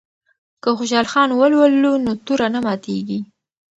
که خوشحال خان ولولو نو توره نه ماتیږي.